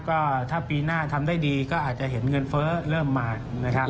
ก็ถ้าปีหน้าทำได้ดีก็อาจจะเห็นเงินเฟ้อเริ่มมานะครับ